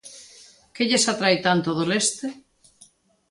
Que lles atrae tanto do leste?